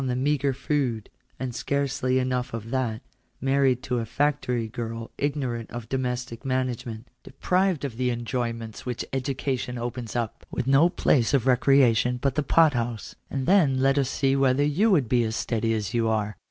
fed on meagre food, and scarcely enough of that ; married to a factory girl ignorant of domestic management ; deprived of the enjoyments which education opens up ; with no place of recrea tion but the pot house, and then let us see whether you would be as steady as you are.